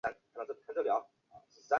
五华县被改名名为五华县。